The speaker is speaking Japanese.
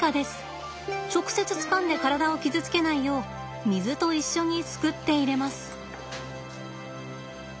直接つかんで体を傷つけないよう水と一緒にすくって入れます。